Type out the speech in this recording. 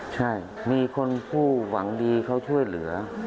ใช่มีคนผู้หวังดีเขาช่วยเหลือ